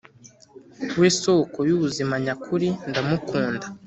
We Soko y ubuzima nyakuri ndamukunda